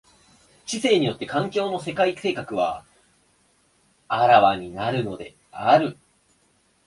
知性によって環境の世界性格は顕わになるのである。